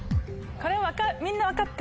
これ。